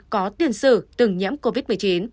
có tiền sử từng nhiễm covid một mươi chín